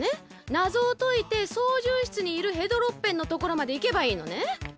なぞをといてそうじゅう室にいるヘドロッペンのところまでいけばいいのね。